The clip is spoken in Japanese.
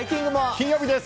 金曜日です。